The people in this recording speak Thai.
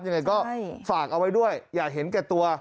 ยังไงก็ฝากเอาไว้ด้วยอย่าเห็นแก่ตัว